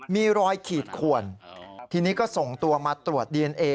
มีรอยขีดขวนทีนี้ก็ส่งตัวมาตรวจดีเอนเอ